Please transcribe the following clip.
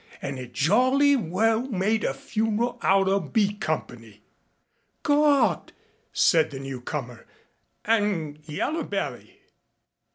an' it jolly well made a funeral out o' B Company." "Gawd!" said the newcomer. "And Yaller belly